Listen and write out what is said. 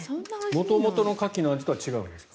元々のカキの味とは違うんですか？